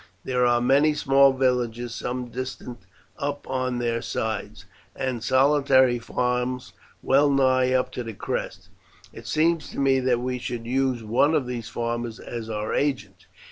There are many small villages some distance up on their sides, and solitary farms well nigh up to the crest. It seems to me that we should use one of these farmers as our agent.